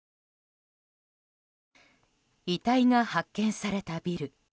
遺体が発見されたビル。